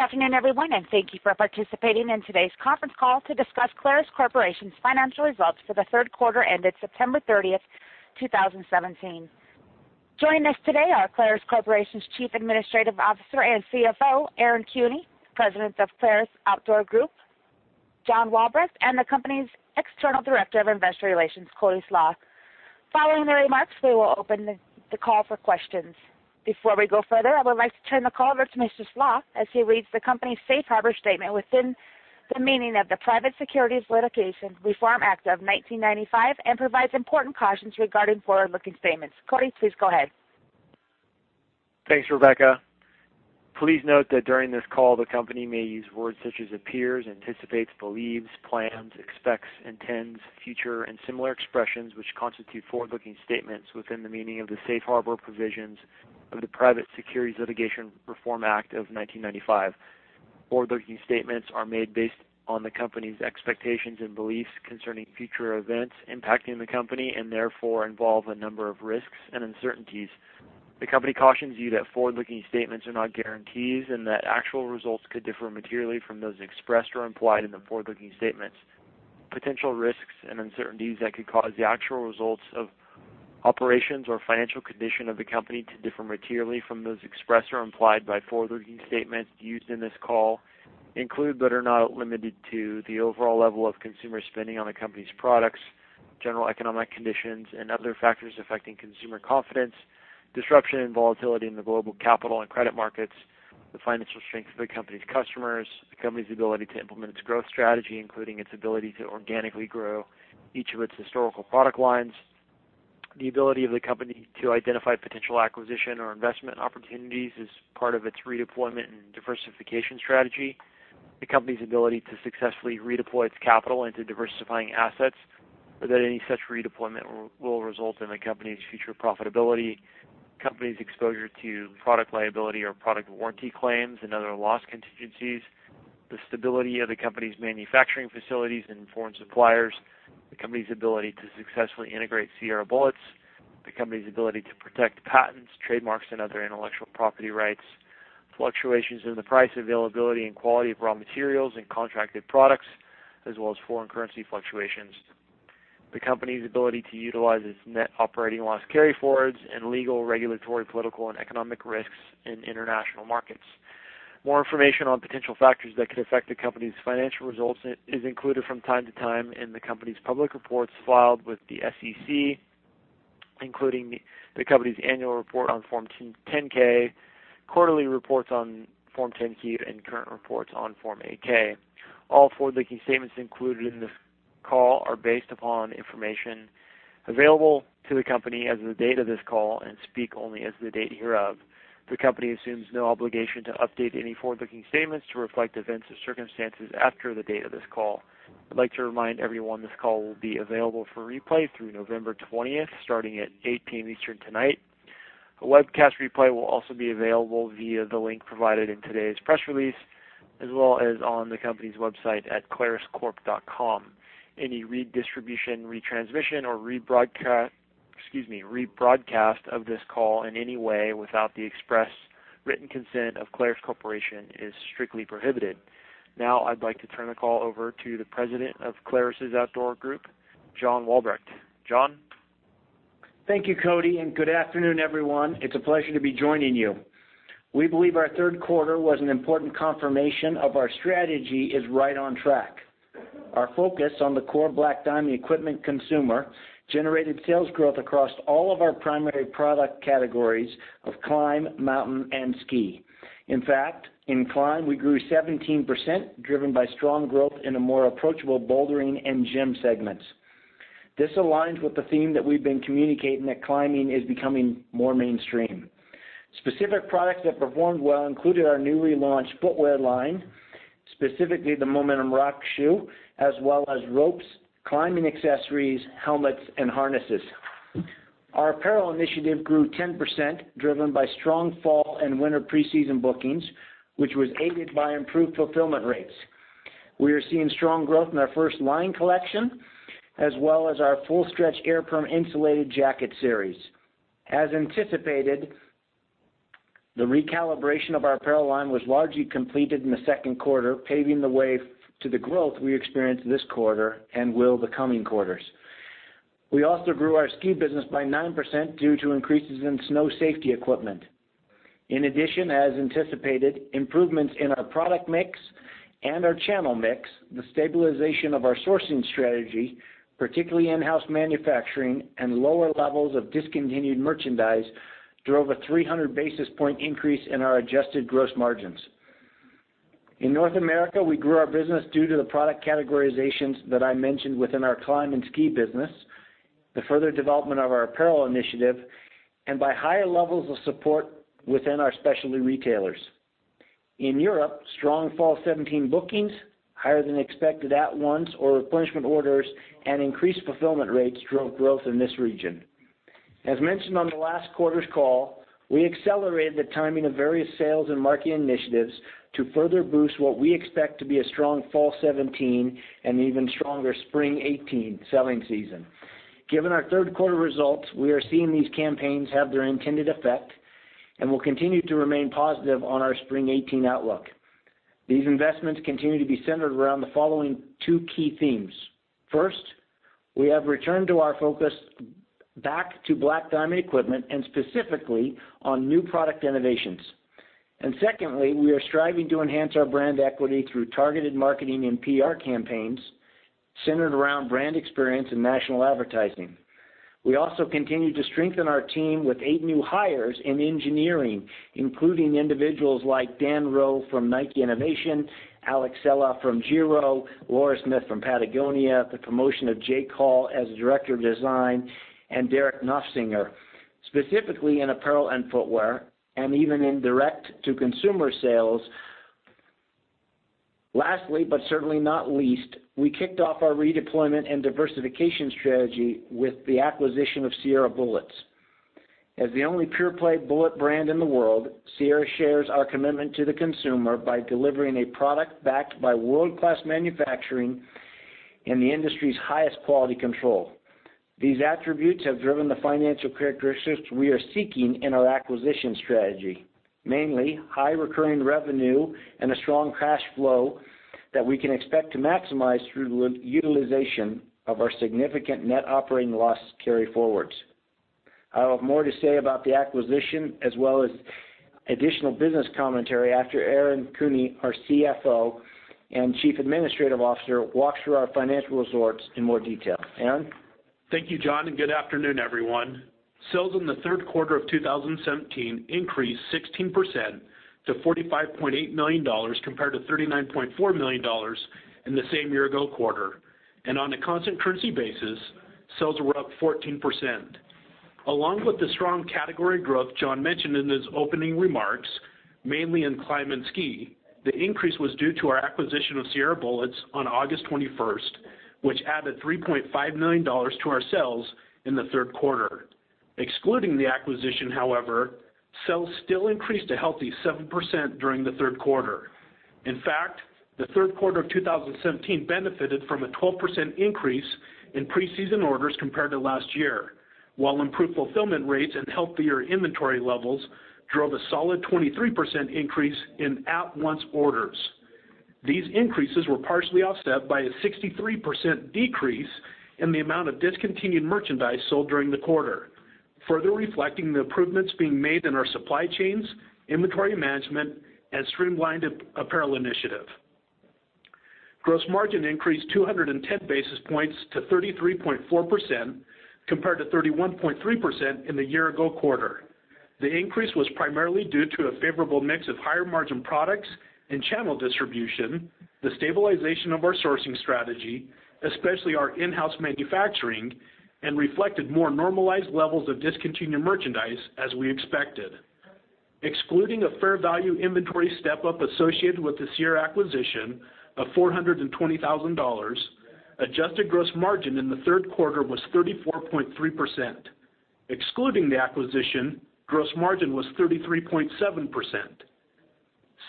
Good afternoon, everyone. Thank you for participating in today's conference call to discuss Clarus Corporation's financial results for the third quarter ended September 30th, 2017. Joining us today are Clarus Corporation's Chief Administrative Officer and CFO, Aaron Kuehne, President of Clarus Outdoor Group, John Walbrecht, the company's External Director of Investor Relations, Cody Slach. Following the remarks, we will open the call for questions. Before we go further, I would like to turn the call over to Mr. Slach as he reads the company's safe harbor statement within the meaning of the Private Securities Litigation Reform Act of 1995 and provides important cautions regarding forward-looking statements. Cody, please go ahead. Thanks, Rebecca. Please note that during this call, the company may use words such as appears, anticipates, believes, plans, expects, intends, future, and similar expressions, which constitute forward-looking statements within the meaning of the safe harbor provisions of the Private Securities Litigation Reform Act of 1995. Forward-looking statements are made based on the company's expectations and beliefs concerning future events impacting the company and therefore involve a number of risks and uncertainties. The company cautions you that forward-looking statements are not guarantees and that actual results could differ materially from those expressed or implied in the forward-looking statements. Potential risks and uncertainties that could cause the actual results of operations or financial condition of the company to differ materially from those expressed or implied by forward-looking statements used in this call include, but are not limited to, the overall level of consumer spending on the company's products, general economic conditions, and other factors affecting consumer confidence, disruption and volatility in the global capital and credit markets, the financial strength of the company's customers, the company's ability to implement its growth strategy, including its ability to organically grow each of its historical product lines. The ability of the company to identify potential acquisition or investment opportunities as part of its redeployment and diversification strategy. The company's ability to successfully redeploy its capital into diversifying assets or that any such redeployment will result in the company's future profitability. Company's exposure to product liability or product warranty claims and other loss contingencies. The stability of the company's manufacturing facilities and foreign suppliers. The company's ability to successfully integrate Sierra Bullets. The company's ability to protect patents, trademarks, and other intellectual property rights. Fluctuations in the price, availability, and quality of raw materials and contracted products, as well as foreign currency fluctuations. The company's ability to utilize its net operating loss carryforwards and legal, regulatory, political, and economic risks in international markets. More information on potential factors that could affect the company's financial results is included from time to time in the company's public reports filed with the SEC, including the company's annual report on Form 10-K, quarterly reports on Form 10-Q, and current reports on Form 8-K. All forward-looking statements included in this call are based upon information available to the company as of the date of this call and speak only as of the date hereof. The company assumes no obligation to update any forward-looking statements to reflect events or circumstances after the date of this call. I'd like to remind everyone this call will be available for replay through November 20th, starting at 8:00 P.M. Eastern tonight. A webcast replay will also be available via the link provided in today's press release, as well as on the company's website at claruscorp.com. Any redistribution, retransmission or rebroadcast of this call in any way without the express written consent of Clarus Corporation is strictly prohibited. Now I'd like to turn the call over to the President of Clarus' Outdoor Group, John Walbrecht. John? Thank you, Cody. Good afternoon, everyone. It's a pleasure to be joining you. We believe our third quarter was an important confirmation of our strategy is right on track. Our focus on the core Black Diamond Equipment consumer generated sales growth across all of our primary product categories of climb, mountain, and ski. In climb, we grew 17%, driven by strong growth in the more approachable bouldering and gym segments. This aligns with the theme that we've been communicating that climbing is becoming more mainstream. Specific products that performed well included our newly launched footwear line, specifically the Momentum rock shoe, as well as ropes, climbing accessories, helmets, and harnesses. Our apparel initiative grew 10%, driven by strong fall and winter preseason bookings, which was aided by improved fulfillment rates. We are seeing strong growth in our First Light collection, as well as our full-stretch AirPerm insulated jacket series. As anticipated, the recalibration of our apparel line was largely completed in the second quarter, paving the way to the growth we experienced this quarter and will the coming quarters. We also grew our ski business by 9% due to increases in snow safety equipment. In addition, as anticipated, improvements in our product mix and our channel mix, the stabilization of our sourcing strategy, particularly in-house manufacturing, and lower levels of discontinued merchandise drove a 300 basis point increase in our adjusted gross margins. In North America, we grew our business due to the product categorizations that I mentioned within our climb and ski business, the further development of our apparel initiative, and by higher levels of support within our specialty retailers. In Europe, strong fall 2017 bookings, higher than expected at-once or replenishment orders, and increased fulfillment rates drove growth in this region. As mentioned on the last quarter's call, we accelerated the timing of various sales and marketing initiatives to further boost what we expect to be a strong fall 2017 and even stronger spring 2018 selling season. Given our third quarter results, we are seeing these campaigns have their intended effect, and we'll continue to remain positive on our spring 2018 outlook. These investments continue to be centered around the following two key themes. First, we have returned to our focus back to Black Diamond Equipment and specifically on new product innovations. Secondly, we are striving to enhance our brand equity through targeted marketing and PR campaigns centered around brand experience and national advertising. We also continue to strengthen our team with eight new hires in engineering, including individuals like Dan Roe from Nike Innovation, Alex Eala from Giro, Laura Smith from Patagonia, the promotion of Jay Call as Director of Design, and Derick Noffsinger, specifically in apparel and footwear, and even in direct-to-consumer sales. Lastly, but certainly not least, we kicked off our redeployment and diversification strategy with the acquisition of Sierra Bullets. As the only pure-play bullet brand in the world, Sierra shares our commitment to the consumer by delivering a product backed by world-class manufacturing and the industry's highest quality control. These attributes have driven the financial characteristics we are seeking in our acquisition strategy, mainly high recurring revenue and a strong cash flow that we can expect to maximize through the utilization of our significant net operating loss carryforwards. I'll have more to say about the acquisition, as well as additional business commentary after Aaron Kuehne, our CFO and Chief Administrative Officer, walks through our financial results in more detail. Aaron? Thank you, John, and good afternoon, everyone. Sales in the third quarter of 2017 increased 16% to $45.8 million, compared to $39.4 million in the same year-ago quarter. On a constant currency basis, sales were up 14%. Along with the strong category growth John mentioned in his opening remarks, mainly in climb and ski, the increase was due to our acquisition of Sierra Bullets on August 21st, which added $3.5 million to our sales in the third quarter. Excluding the acquisition, however, sales still increased a healthy 7% during the third quarter. In fact, the third quarter of 2017 benefited from a 12% increase in pre-season orders compared to last year. While improved fulfillment rates and healthier inventory levels drove a solid 23% increase in at-once orders. These increases were partially offset by a 63% decrease in the amount of discontinued merchandise sold during the quarter, further reflecting the improvements being made in our supply chains, inventory management, and streamlined apparel initiative. Gross margin increased 210 basis points to 33.4%, compared to 31.3% in the year-ago quarter. The increase was primarily due to a favorable mix of higher-margin products and channel distribution, the stabilization of our sourcing strategy, especially our in-house manufacturing, and reflected more normalized levels of discontinued merchandise as we expected. Excluding a fair value inventory step-up associated with the Sierra acquisition of $420,000, adjusted gross margin in the third quarter was 34.3%. Excluding the acquisition, gross margin was 33.7%.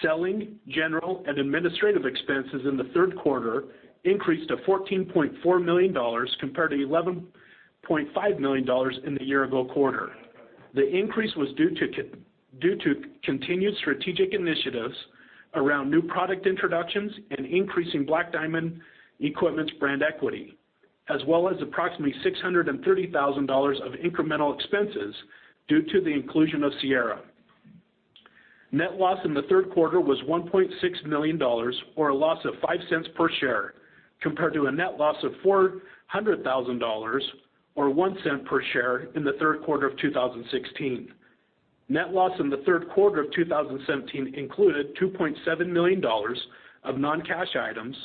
Selling, general, and administrative expenses in the third quarter increased to $14.4 million compared to $11.5 million in the year-ago quarter. The increase was due to continued strategic initiatives around new product introductions and increasing Black Diamond Equipment's brand equity, as well as approximately $630,000 of incremental expenses due to the inclusion of Sierra. Net loss in the third quarter was $1.6 million, or a loss of $0.05 per share, compared to a net loss of $400,000, or $0.01 per share in the third quarter of 2016. Net loss in the third quarter of 2017 included $2.7 million of non-cash items,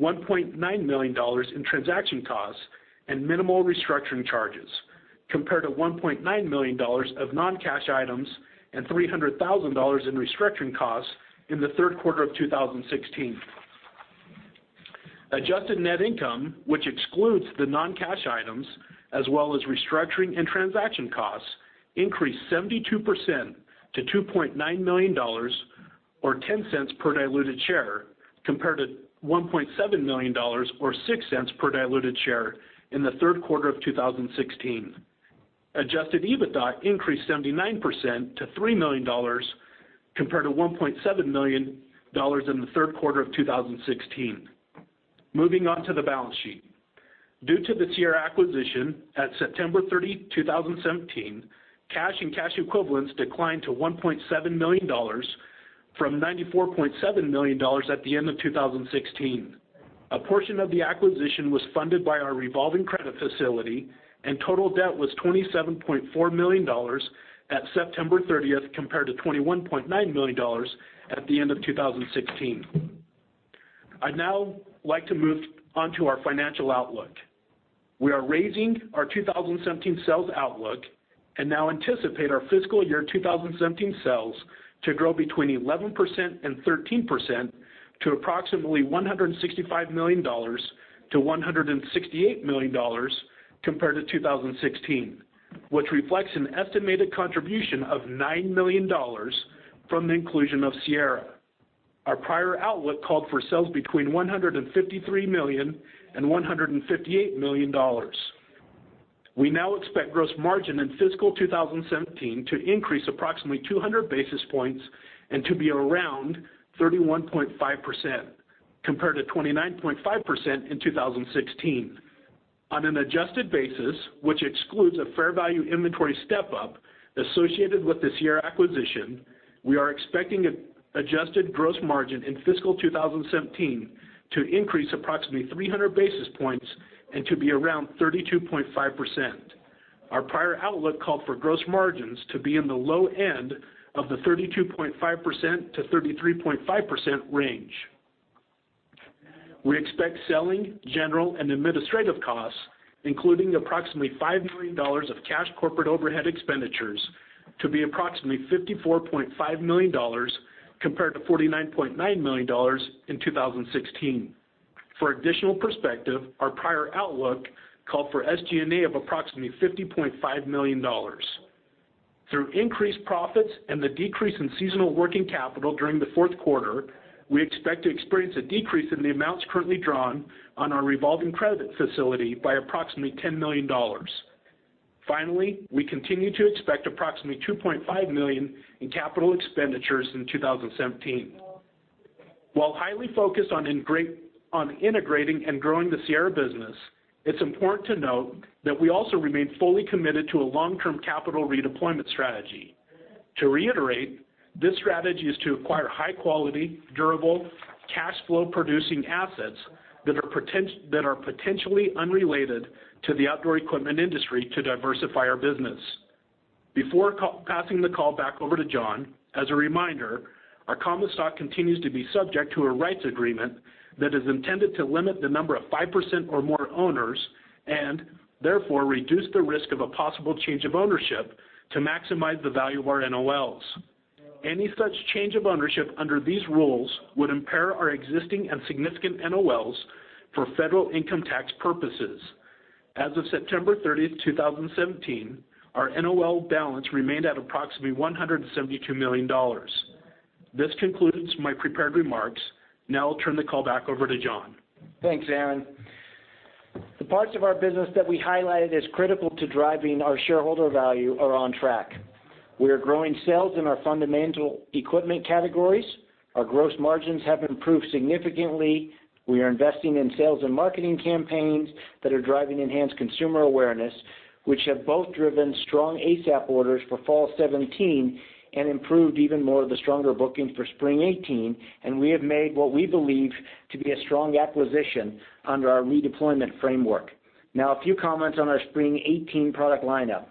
$1.9 million in transaction costs, and minimal restructuring charges, compared to $1.9 million of non-cash items and $300,000 in restructuring costs in the third quarter of 2016. Adjusted net income, which excludes the non-cash items, as well as restructuring and transaction costs, increased 72% to $2.9 million, or $0.10 per diluted share, compared to $1.7 million or $0.06 per diluted share in the third quarter of 2016. Adjusted EBITDA increased 79% to $3 million, compared to $1.7 million in the third quarter of 2016. Moving on to the balance sheet. Due to the Sierra acquisition at September 30th, 2017, cash and cash equivalents declined to $1.7 million from $94.7 million at the end of 2016. A portion of the acquisition was funded by our revolving credit facility, and total debt was $27.4 million at September 30th, compared to $21.9 million at the end of 2016. I'd now like to move on to our financial outlook. We are raising our 2017 sales outlook and now anticipate our fiscal year 2017 sales to grow between 11% and 13% to approximately $165 million-$168 million compared to 2016, which reflects an estimated contribution of $9 million from the inclusion of Sierra. Our prior outlook called for sales between $153 million and $158 million. We now expect gross margin in fiscal 2017 to increase approximately 200 basis points and to be around 31.5%, compared to 29.5% in 2016. On an adjusted basis, which excludes a fair value inventory step-up associated with the Sierra acquisition, we are expecting adjusted gross margin in fiscal 2017 to increase approximately 300 basis points and to be around 32.5%. Our prior outlook called for gross margins to be in the low end of the 32.5%-33.5% range. We expect selling, general, and administrative costs, including approximately $5 million of cash corporate overhead expenditures, to be approximately $54.5 million, compared to $49.9 million in 2016. For additional perspective, our prior outlook called for SG&A of approximately $50.5 million. Through increased profits and the decrease in seasonal working capital during the fourth quarter, we expect to experience a decrease in the amounts currently drawn on our revolving credit facility by approximately $10 million. Finally, we continue to expect approximately $2.5 million in capital expenditures in 2017. While highly focused on integrating and growing the Sierra business, it is important to note that we also remain fully committed to a long-term capital redeployment strategy. To reiterate, this strategy is to acquire high-quality, durable, cashflow-producing assets that are potentially unrelated to the outdoor equipment industry to diversify our business. Before passing the call back over to John, as a reminder, our common stock continues to be subject to a rights agreement that is intended to limit the number of 5% or more owners and therefore reduce the risk of a possible change of ownership to maximize the value of our NOLs. Any such change of ownership under these rules would impair our existing and significant NOLs for federal income tax purposes. As of September 30th, 2017, our NOL balance remained at approximately $172 million. This concludes my prepared remarks. Now I'll turn the call back over to John. Thanks, Aaron. The parts of our business that we highlighted as critical to driving our shareholder value are on track. We are growing sales in our fundamental equipment categories. Our gross margins have improved significantly. We are investing in sales and marketing campaigns that are driving enhanced consumer awareness, which have both driven strong ASAP orders for fall 2017 and improved even more of the stronger bookings for spring 2018. We have made what we believe to be a strong acquisition under our redeployment framework. A few comments on our spring 2018 product lineup.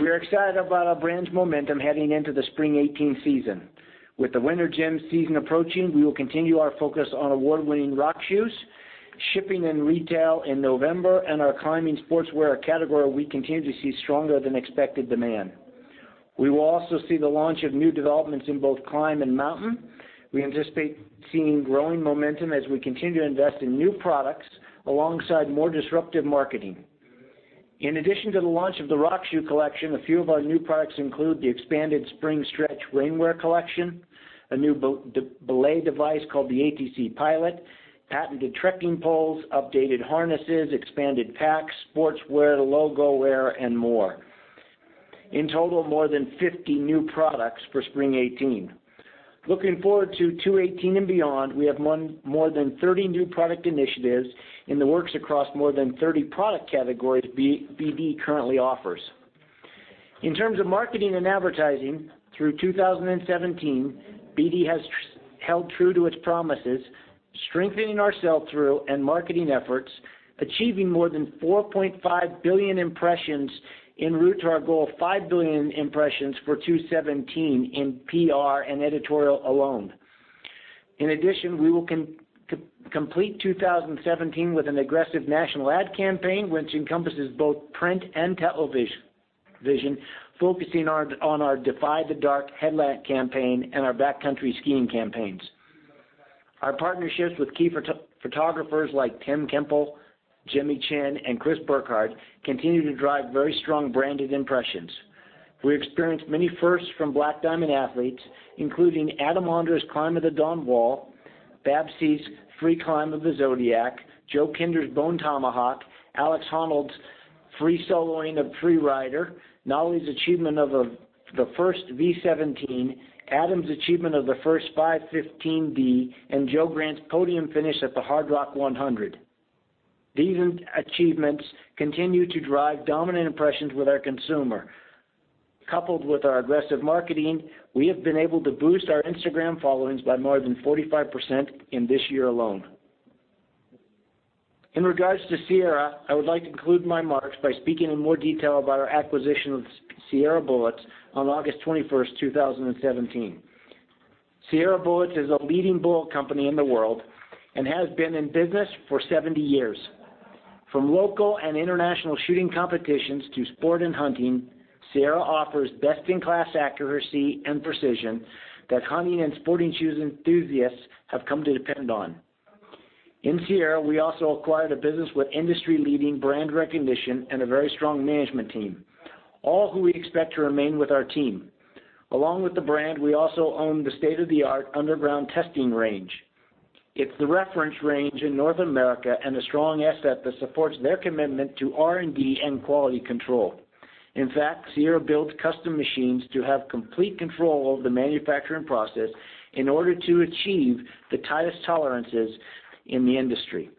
We are excited about our brand's momentum heading into the spring 2018 season. With the winter gym season approaching, we will continue our focus on award-winning rock shoes, shipping and retail in November, and our climbing sportswear category we continue to see stronger than expected demand. We will also see the launch of new developments in both climb and mountain. We anticipate seeing growing momentum as we continue to invest in new products alongside more disruptive marketing. In addition to the launch of the rock shoe collection, a few of our new products include the expanded spring stretch rainwear collection, a new belay device called the ATC Pilot, patented trekking poles, updated harnesses, expanded packs, sportswear, logo wear, and more. In total, more than 50 new products for spring 2018. Looking forward to 2018 and beyond, we have more than 30 new product initiatives in the works across more than 30 product categories BD currently offers. In terms of marketing and advertising through 2017, BD has held true to its promises, strengthening our sell-through and marketing efforts, achieving more than 4.5 billion impressions en route to our goal of 5 billion impressions for 2017 in PR and editorial alone. In addition, we will complete 2017 with an aggressive national ad campaign, which encompasses both print and television, focusing on our Defy the Dark headlamp campaign and our backcountry skiing campaigns. Our partnerships with key photographers like Tim Kemple, Jimmy Chin, and Chris Burkard continue to drive very strong branded impressions. We experienced many firsts from Black Diamond athletes, including Adam Ondra's climb of the Dawn Wall, Babsi's free climb of the Zodiac, Joe Kinder's Bone Tomahawk, Alex Honnold's free soloing of Freerider, Nalle's achievement of the first V17, Adam's achievement of the first 5.15d, and Joe Grant's podium finish at the Hardrock 100. These achievements continue to drive dominant impressions with our consumer. Coupled with our aggressive marketing, we have been able to boost our Instagram followings by more than 45% in this year alone. In regards to Sierra, I would like to conclude my remarks by speaking in more detail about our acquisition of Sierra Bullets on August 21st, 2017. Sierra Bullets is a leading bullet company in the world and has been in business for 70 years. From local and international shooting competitions to sport and hunting, Sierra offers best-in-class accuracy and precision that hunting and sporting enthusiasts have come to depend on. In Sierra, we also acquired a business with industry-leading brand recognition and a very strong management team, all who we expect to remain with our team. Along with the brand, we also own the state-of-the-art underground testing range. It's the reference range in North America and a strong asset that supports their commitment to R&D and quality control. In fact, Sierra built custom machines to have complete control of the manufacturing process in order to achieve the tightest tolerances in the industry.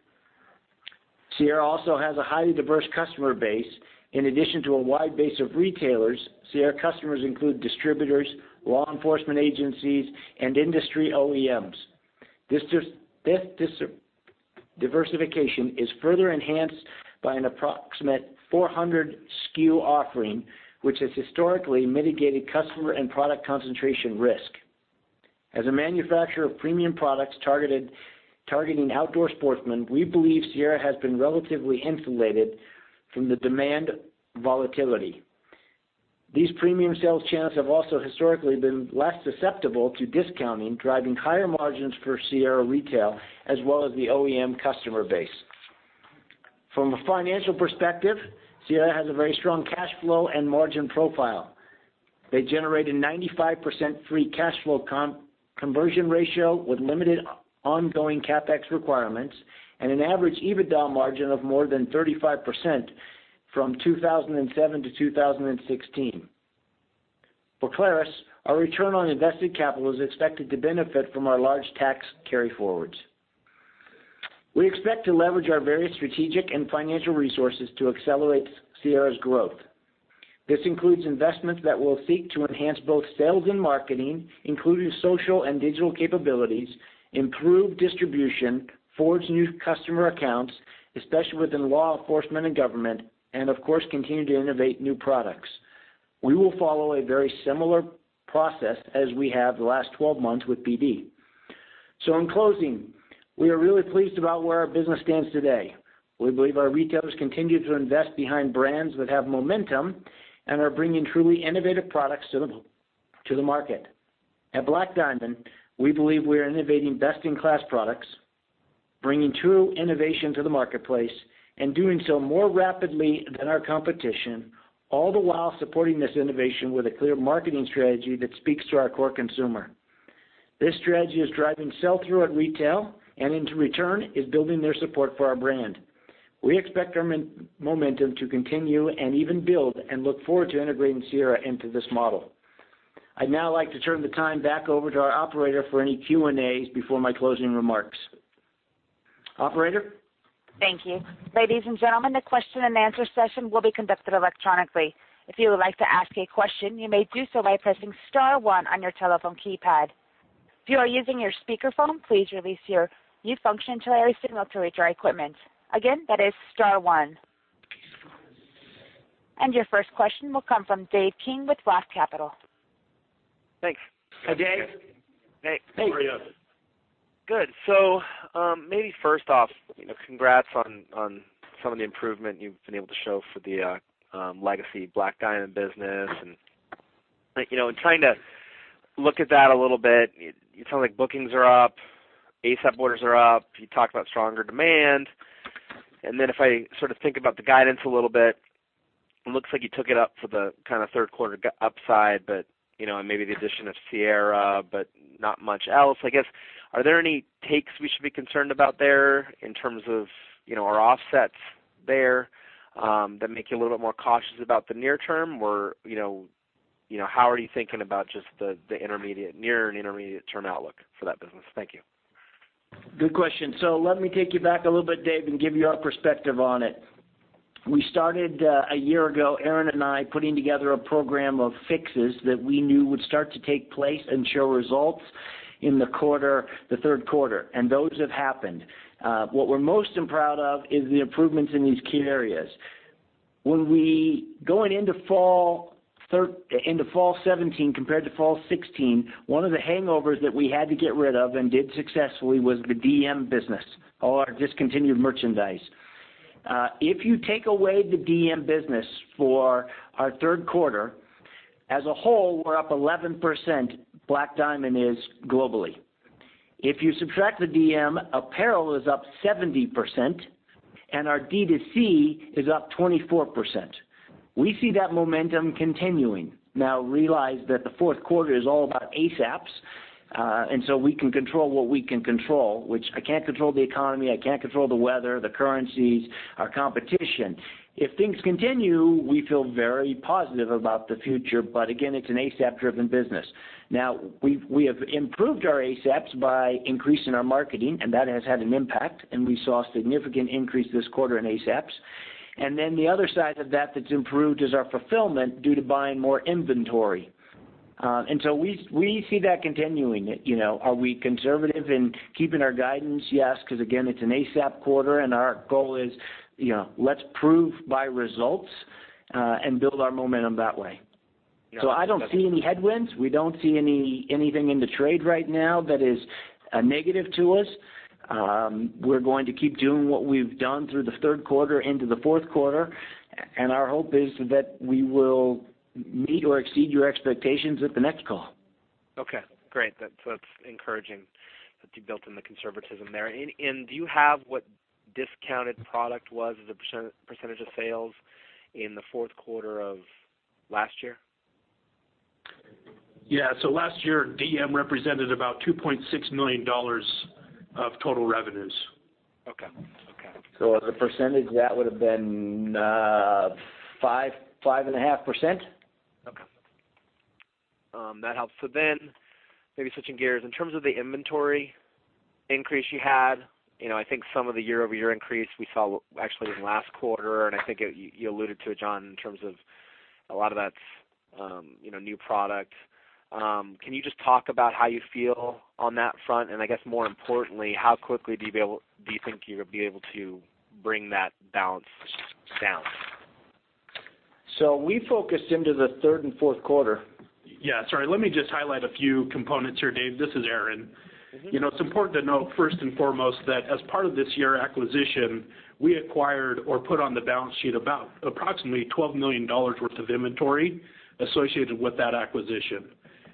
Sierra also has a highly diverse customer base. In addition to a wide base of retailers, Sierra customers include distributors, law enforcement agencies, and industry OEMs. This diversification is further enhanced by an approximate 400 SKU offering, which has historically mitigated customer and product concentration risk. As a manufacturer of premium products targeting outdoor sportsmen, we believe Sierra has been relatively insulated from the demand volatility. These premium sales channels have also historically been less susceptible to discounting, driving higher margins for Sierra retail as well as the OEM customer base. From a financial perspective, Sierra has a very strong cash flow and margin profile. They generate a 95% free cash flow conversion ratio with limited ongoing CapEx requirements and an average EBITDA margin of more than 35% from 2007-2016. For Clarus, our return on invested capital is expected to benefit from our large tax carry-forwards. We expect to leverage our various strategic and financial resources to accelerate Sierra's growth. This includes investments that will seek to enhance both sales and marketing, including social and digital capabilities, improve distribution, forge new customer accounts, especially within law enforcement and government, and of course, continue to innovate new products. We will follow a very similar process as we have the last 12 months with BD. In closing, we are really pleased about where our business stands today. We believe our retailers continue to invest behind brands that have momentum and are bringing truly innovative products to the market. At Black Diamond, we believe we are innovating best-in-class products, bringing true innovation to the marketplace, and doing so more rapidly than our competition, all the while supporting this innovation with a clear marketing strategy that speaks to our core consumer. This strategy is driving sell-through at retail and into return is building their support for our brand. We expect our momentum to continue and even build and look forward to integrating Sierra into this model. I'd now like to turn the time back over to our operator for any Q&As before my closing remarks. Operator? Thank you. Ladies and gentlemen, the question and answer session will be conducted electronically. If you would like to ask a question, you may do so by pressing *1 on your telephone keypad. If you are using your speakerphone, please release your mute function to allow us to monitor your equipment. Again, that is *1. Your first question will come from Dave King with Roth Capital. Thanks. Hi, Dave. Hey. How are you? Good. Maybe first off, congrats on some of the improvement you've been able to show for the legacy Black Diamond business. Trying to look at that a little bit, you sound like bookings are up, ASAP orders are up. You talk about stronger demand. If I sort of think about the guidance a little bit, it looks like you took it up for the third quarter upside, but maybe the addition of Sierra, but not much else. I guess, are there any takes we should be concerned about there in terms of offsets there that make you a little bit more cautious about the near term? How are you thinking about just the near and intermediate term outlook for that business? Thank you. Good question. Let me take you back a little bit, David King, and give you our perspective on it. We started one year ago, Aaron and I, putting together a program of fixes that we knew would start to take place and show results in the third quarter, and those have happened. What we're most proud of is the improvements in these key areas. Going into fall 2017 compared to fall 2016, one of the hangovers that we had to get rid of and did successfully was the DM business or our discontinued merchandise. If you take away the DM business for our third quarter, as a whole, we're up 11%, Black Diamond is globally. If you subtract the DM, apparel is up 70% and our D2C is up 24%. We see that momentum continuing. Realize that the fourth quarter is all about ASAPs, we can control what we can control, which I can't control the economy, I can't control the weather, the currencies, our competition. If things continue, we feel very positive about the future. Again, it's an ASAP-driven business. We have improved our ASAPs by increasing our marketing, and that has had an impact, and we saw a significant increase this quarter in ASAPs. The other side of that which improved is our fulfillment due to buying more inventory. We see that continuing. Are we conservative in keeping our guidance? Yes, because again, it's an ASAP quarter and our goal is, let's prove by results, and build our momentum that way. I don't see any headwinds. We don't see anything in the trade right now that is a negative to us. We're going to keep doing what we've done through the third quarter into the fourth quarter, and our hope is that we will meet or exceed your expectations at the next call. Okay, great. That's encouraging that you built in the conservatism there. Do you have what discounted product was as a percent of sales in the fourth quarter of last year? Yeah. Last year, DM represented about $2.6 million of total revenues. Okay. As a percentage, that would've been 5.5%. Okay. That helps. Maybe switching gears, in terms of the inventory increase you had, I think some of the year-over-year increase we saw actually in last quarter, and I think you alluded to it, John, in terms of a lot of that's new product. Can you just talk about how you feel on that front? I guess more importantly, how quickly do you think you're going to be able to bring that balance down? We focused into the third and fourth quarter. Sorry. Let me just highlight a few components here, Dave. This is Aaron. It's important to note first and foremost that as part of the Sierra acquisition, we acquired or put on the balance sheet about approximately $12 million worth of inventory associated with that acquisition.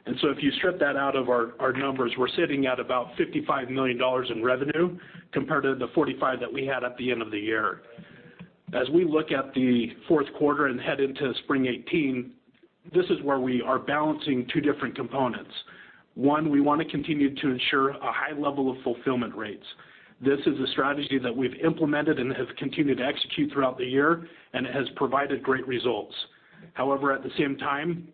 If you strip that out of our numbers, we're sitting at about $55 million in revenue compared to the $45 million that we had at the end of the year. As we look at the fourth quarter and head into spring 2018, this is where we are balancing two different components. One, we want to continue to ensure a high level of fulfillment rates. This is a strategy that we've implemented and have continued to execute throughout the year, and it has provided great results. However, at the same time,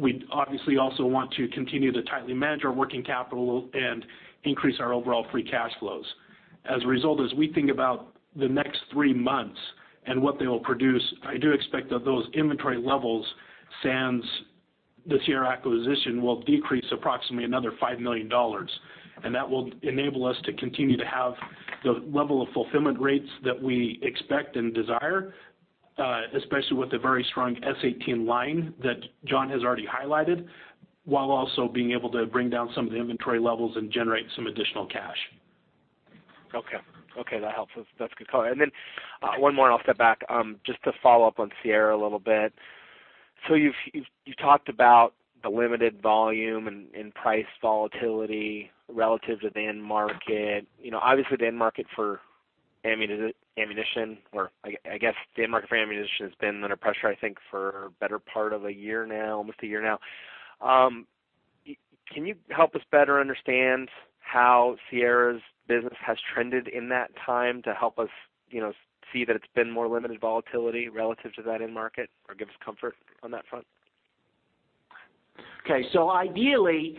we obviously also want to continue to tightly manage our working capital and increase our overall free cash flows. As we think about the next three months and what they'll produce, I do expect that those inventory levels, sans the Sierra acquisition, will decrease approximately another $5 million. That will enable us to continue to have the level of fulfillment rates that we expect and desire, especially with the very strong S18 line that John has already highlighted, while also being able to bring down some of the inventory levels and generate some additional cash. Okay. That helps. That's a good call. One more, and I'll step back. Just to follow up on Sierra a little bit. You've talked about the limited volume and price volatility relative to the end market. Obviously, the end market for ammunition has been under pressure, I think, for the better part of a year now, almost a year now. Can you help us better understand how Sierra's business has trended in that time to help us see that it's been more limited volatility relative to that end market or give us comfort on that front? Ideally,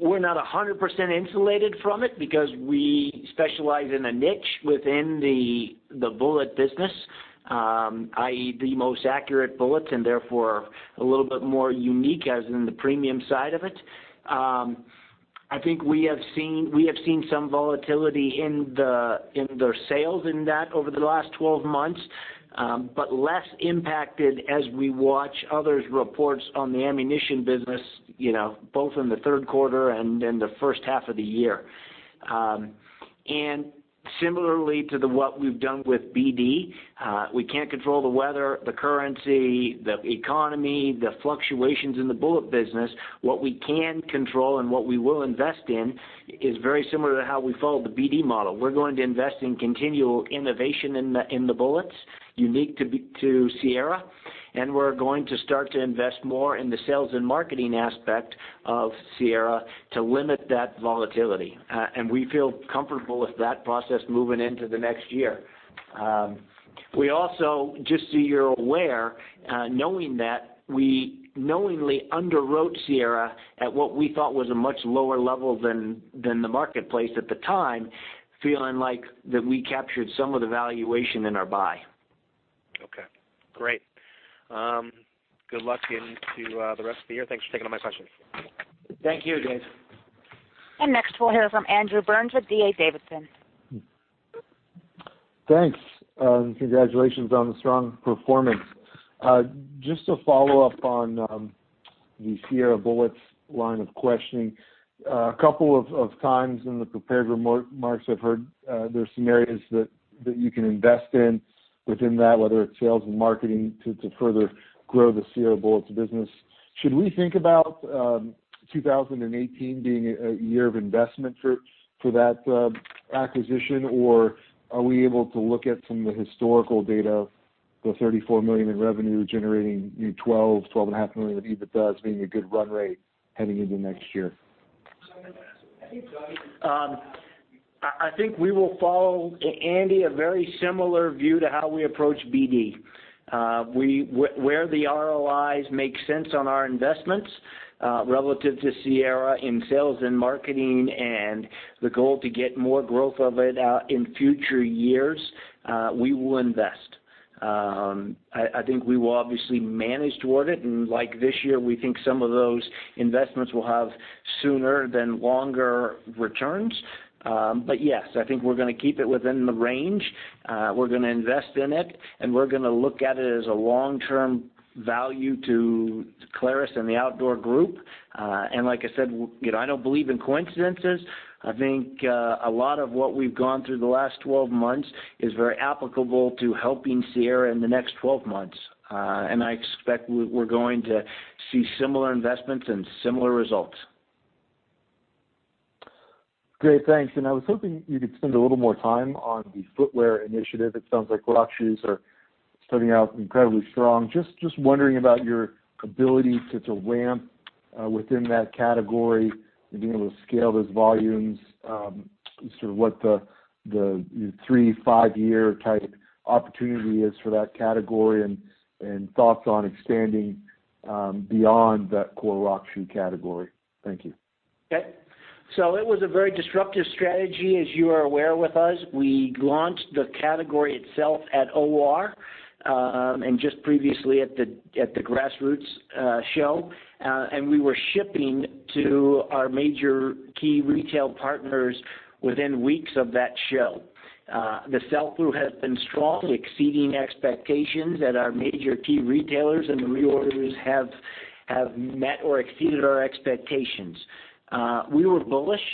we're not 100% insulated from it because we specialize in a niche within the bullet business, i.e., the most accurate bullets, and therefore, a little bit more unique as in the premium side of it. I think we have seen some volatility in their sales in that over the last 12 months, but less impacted as we watch others' reports on the ammunition business, both in the third quarter and in the first half of the year. Similarly to what we've done with BD, we can't control the weather, the currency, the economy, the fluctuations in the bullet business. What we can control and what we will invest in is very similar to how we followed the BD model. We're going to invest in continual innovation in the bullets unique to Sierra, and we're going to start to invest more in the sales and marketing aspect of Sierra to limit that volatility. We feel comfortable with that process moving into the next year. We also, just so you're aware, knowing that, we knowingly underwrote Sierra at what we thought was a much lower level than the marketplace at the time, feeling like that we captured some of the valuation in our buy. Okay, great. Good luck into the rest of the year. Thanks for taking my questions. Thank you, Dave. Next, we'll hear from Andrew Burns with D.A. Davidson. Thanks. Congratulations on the strong performance. Just to follow up on the Sierra Bullets line of questioning. A couple of times in the prepared remarks, I've heard there's some areas that you can invest in within that, whether it's sales and marketing to further grow the Sierra Bullets business. Should we think about 2018 being a year of investment for that acquisition, or are we able to look at some of the historical data, the $34 million in revenue generating new $12 million, $12.5 million in EBITDA as being a good run rate heading into next year? I think we will follow, Andy, a very similar view to how we approach BD. Where the ROIs make sense on our investments relative to Sierra in sales and marketing and the goal to get more growth of it out in future years, we will invest. I think we will obviously manage toward it, and like this year, we think some of those investments will have sooner than longer returns. Yes, I think we're going to keep it within the range. We're going to invest in it, and we're going to look at it as a long-term value to Clarus and the Outdoor Group. Like I said, I don't believe in coincidences. I think a lot of what we've gone through the last 12 months is very applicable to helping Sierra in the next 12 months. I expect we're going to see similar investments and similar results. Great, thanks. I was hoping you could spend a little more time on the footwear initiative. It sounds like rock shoes are starting out incredibly strong. Just wondering about your ability to ramp within that category and being able to scale those volumes, sort of what the three, five-year type opportunity is for that category, and thoughts on expanding beyond that core rock shoe category. Thank you. Okay. It was a very disruptive strategy, as you are aware with us. We launched the category itself at OR, and just previously at the Grassroots show. We were shipping to our major key retail partners within weeks of that show. The sell-through has been strong, exceeding expectations at our major key retailers, and the reorders have met or exceeded our expectations. We were bullish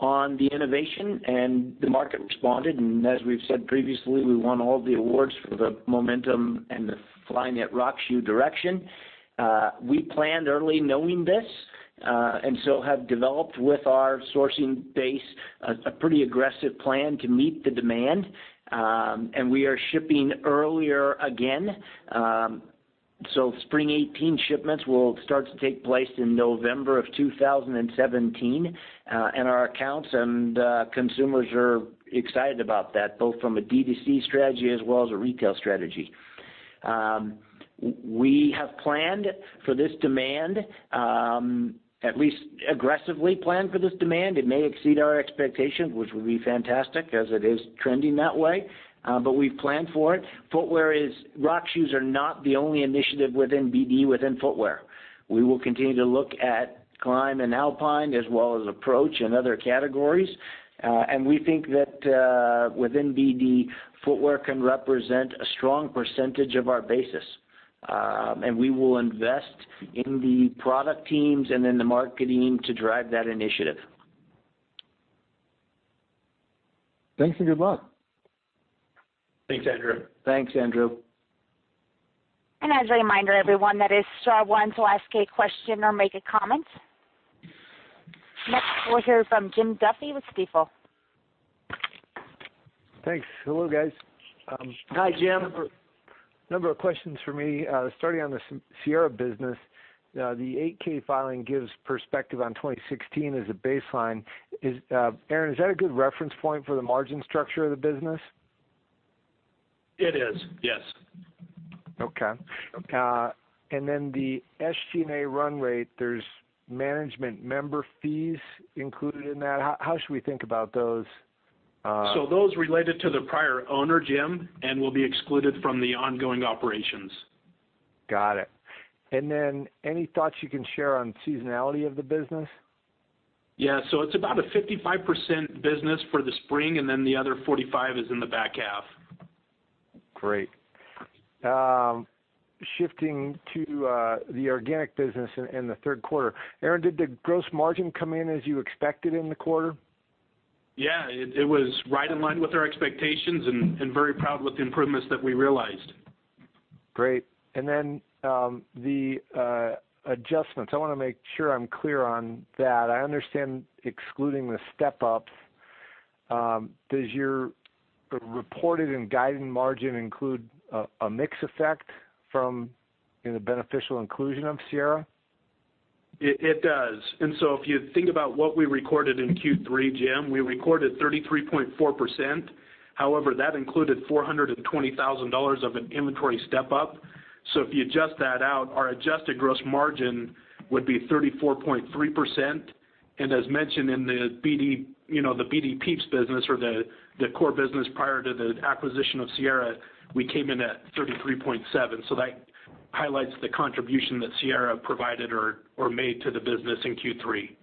on the innovation and the market responded, and as we've said previously, we won all the awards for the Momentum and the Engineered Knit rock shoe direction. We planned early knowing this, and so have developed with our sourcing base a pretty aggressive plan to meet the demand. We are shipping earlier again. Spring 2018 shipments will start to take place in November of 2017. Our accounts and consumers are excited about that, both from a D2C strategy as well as a retail strategy. We have planned for this demand, at least aggressively planned for this demand. It may exceed our expectations, which would be fantastic as it is trending that way. We've planned for it. Rock shoes are not the only initiative within BD within footwear. We will continue to look at climb and alpine, as well as approach and other categories. We think that within BD, footwear can represent a strong percentage of our basis. We will invest in the product teams and in the marketing to drive that initiative. Thanks and good luck. Thanks, Andrew. Thanks, Andrew. As a reminder everyone, that is star one to ask a question or make a comment. Next, we'll hear from Jim Duffy with Stifel. Thanks. Hello, guys. Hi, Jim. A number of questions for me, starting on the Sierra business. The 8-K filing gives perspective on 2016 as a baseline. Aaron, is that a good reference point for the margin structure of the business? It is, yes. Okay. The SG&A run rate, there's management member fees included in that. How should we think about those? Those related to the prior owner, Jim, and will be excluded from the ongoing operations. Got it. Any thoughts you can share on seasonality of the business? Yeah. It's about a 55% business for the spring, and then the other 45 is in the back half. Great. Shifting to the organic business in the third quarter. Aaron, did the gross margin come in as you expected in the quarter? Yeah, it was right in line with our expectations, and very proud with the improvements that we realized. Great. The adjustments. I want to make sure I'm clear on that. I understand excluding the step-ups. Does your reported and guided margin include a mix effect from the beneficial inclusion of Sierra? It does. If you think about what we recorded in Q3, Jim, we recorded 33.4%. However, that included $420,000 of an inventory step-up. If you adjust that out, our adjusted gross margin would be 34.3%. As mentioned in the Black Diamond PIEPS business or the core business prior to the acquisition of Sierra, we came in at 33.7%. That highlights the contribution that Sierra provided or made to the business in Q3.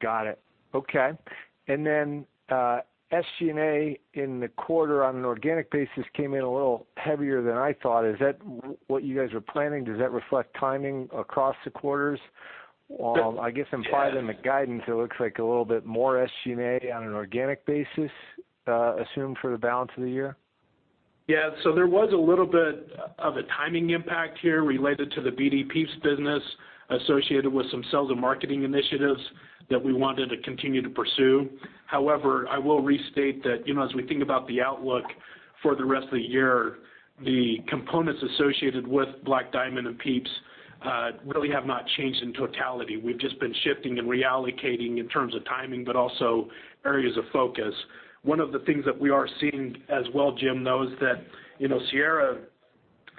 Got it. Okay. SG&A in the quarter on an organic basis came in a little heavier than I thought. Is that what you guys were planning? Does that reflect timing across the quarters? Yes implied in the guidance, it looks like a little bit more SG&A on an organic basis assumed for the balance of the year. There was a little bit of a timing impact here related to the BD PIEPS business associated with some sales and marketing initiatives that we wanted to continue to pursue. However, I will restate that as we think about the outlook for the rest of the year, the components associated with Black Diamond and PIEPS really have not changed in totality. We've just been shifting and reallocating in terms of timing, but also areas of focus. One of the things that we are seeing as well, Jim, though, is that Sierra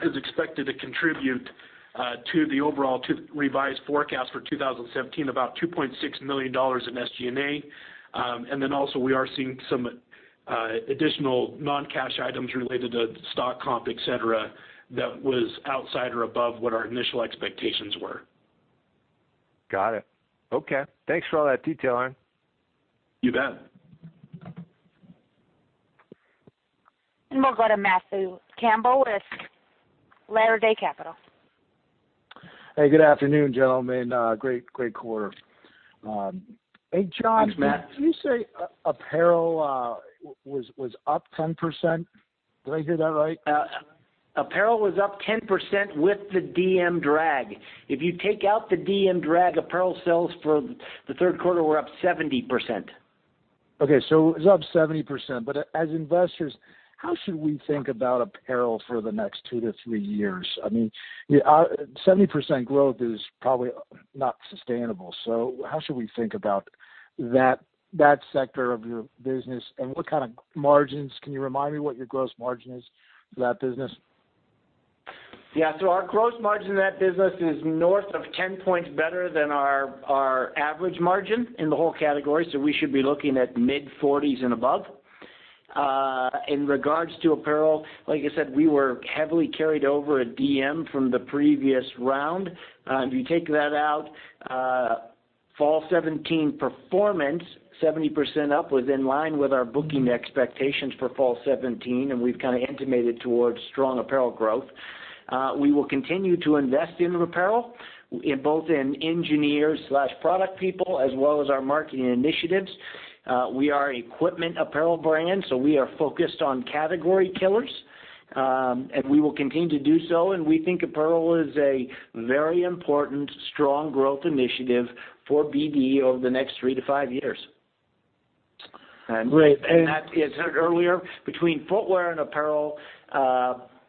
is expected to contribute to the revised forecast for 2017, about $2.6 million in SG&A. Also we are seeing some additional non-cash items related to stock comp, et cetera, that was outside or above what our initial expectations were. Got it. Okay. Thanks for all that detail, Aaron. You bet. We'll go to Matthew Campbell with Latter Day Capital. Hey, good afternoon, gentlemen. Great quarter. Hey, John. Thanks, Matt. Did you say apparel was up 10%? Did I hear that right? Apparel was up 10% with the DM drag. If you take out the DM drag, apparel sales for the third quarter were up 70%. It was up 70%. As investors, how should we think about apparel for the next 2-3 years? I mean, 70% growth is probably not sustainable. How should we think about that sector of your business? What kind of margins, can you remind me what your gross margin is for that business? Yeah. Our gross margin in that business is north of 10 points better than our average margin in the whole category, so we should be looking at mid-40s and above. In regards to apparel, like I said, we were heavily carried over at DM from the previous round. If you take that out, fall 2017 performance, 70% up was in line with our booking expectations for fall 2017, and we've kind of intimated towards strong apparel growth. We will continue to invest in apparel, both in engineering/product people, as well as our marketing initiatives. We are an equipment apparel brand, we are focused on category killers, and we will continue to do so. We think apparel is a very important, strong growth initiative for Black Diamond over the next three to five years. Great. As I said earlier, between footwear and apparel,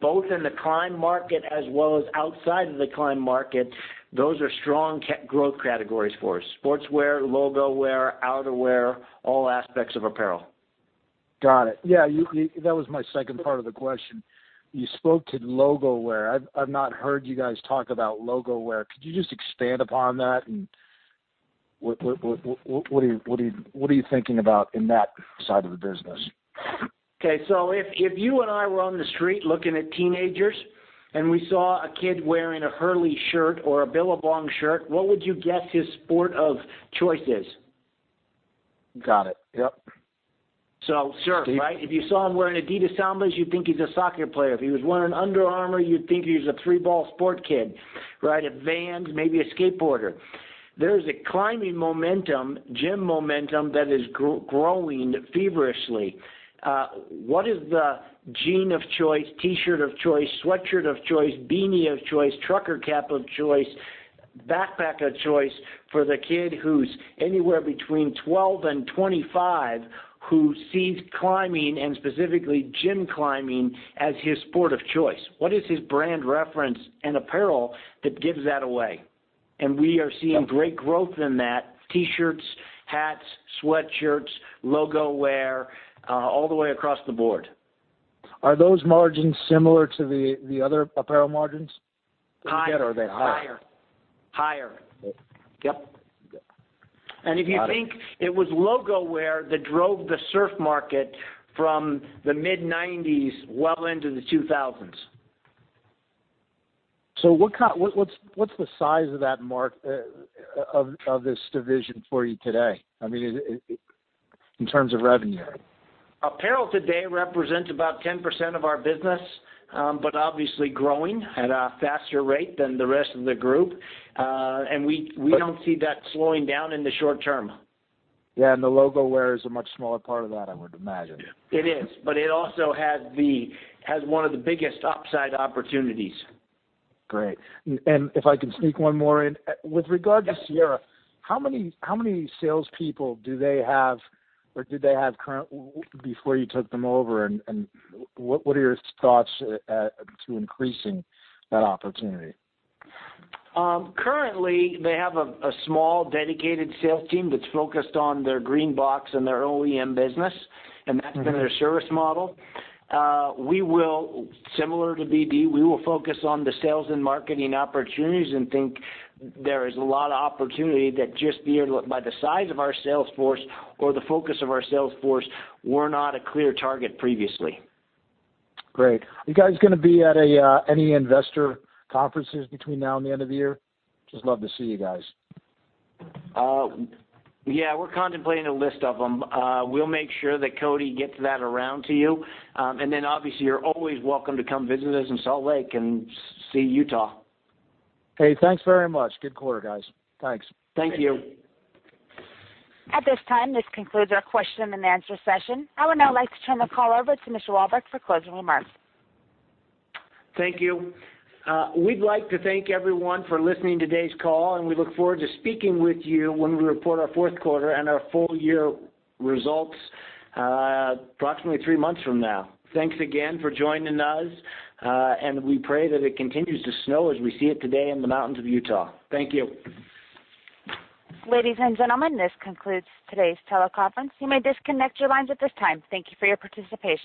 both in the climb market as well as outside of the climb market, those are strong growth categories for us. Sportswear, logo wear, outerwear, all aspects of apparel. Got it. That was my second part of the question. You spoke to logo wear. I've not heard you guys talk about logo wear. Could you just expand upon that and what are you thinking about in that side of the business? If you and I were on the street looking at teenagers, and we saw a kid wearing a Hurley shirt or a Billabong shirt, what would you guess his sport of choice is? Got it. Yep. Surf, right? If you saw him wearing Adidas Samba, you'd think he's a soccer player. If he was wearing Under Armour, you'd think he was a three-ball sport kid, right? At Vans, maybe a skateboarder. There's a climbing momentum, gym momentum that is growing feverishly. What is the jean of choice, T-shirt of choice, sweatshirt of choice, beanie of choice, trucker cap of choice, backpack of choice for the kid who's anywhere between 12 and 25, who sees climbing, and specifically gym climbing, as his sport of choice? What is his brand reference and apparel that gives that away? We are seeing great growth in that. T-shirts, hats, sweatshirts, logo wear, all the way across the board. Are those margins similar to the other apparel margins? Higher. Are they higher? Higher. Higher. Okay. Yep. Got it. If you think, it was logo wear that drove the surf market from the mid-'90s well into the 2000s. What's the size of this division for you today? I mean, in terms of revenue. Apparel today represents about 10% of our business, but obviously growing at a faster rate than the rest of the group. We don't see that slowing down in the short term. Yeah, the logo wear is a much smaller part of that, I would imagine. It is. It also has one of the biggest upside opportunities. Great. If I can sneak one more in. With regard to Sierra, how many salespeople do they have, or did they have current before you took them over, and what are your thoughts to increasing that opportunity? Currently, they have a small dedicated sales team that's focused on their green box and their OEM business, and that's been their service model. Similar to BD, we will focus on the sales and marketing opportunities and think there is a lot of opportunity that just by the size of our sales force or the focus of our sales force, were not a clear target previously. Great. You guys going to be at any investor conferences between now and the end of the year? Just love to see you guys. Yeah, we're contemplating a list of them. We'll make sure that Cody gets that around to you. Obviously you're always welcome to come visit us in Salt Lake and see Utah. Hey, thanks very much. Good quarter, guys. Thanks. Thank you. At this time, this concludes our question and answer session. I would now like to turn the call over to Mr. Walbrecht for closing remarks. Thank you. We'd like to thank everyone for listening to today's call, and we look forward to speaking with you when we report our fourth quarter and our full-year results approximately three months from now. Thanks again for joining us, and we pray that it continues to snow as we see it today in the mountains of Utah. Thank you. Ladies and gentlemen, this concludes today's teleconference. You may disconnect your lines at this time. Thank you for your participation.